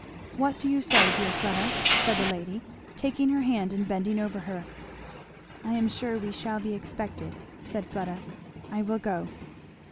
"What do you say, dear Fleda?" said the lady, taking her hand and bending over her. "I am sure we shall be expected," said Fleda. "I will go."